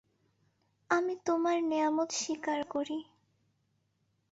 আমি তোমার নেয়ামত স্বীকার করি।